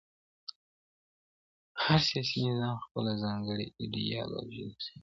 هر سياسي نظام خپله ځانګړې ايډيالوژي لري.